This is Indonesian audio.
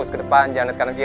siapa aja lagi